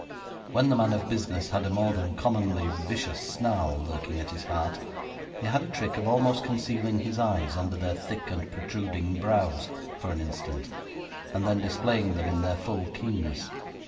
When the man of business had a more than commonly vicious snarl lurking at his heart, he had a trick of almost concealing his eyes under their thick and protruding brows, for an instant, and then displaying them in their full keenness.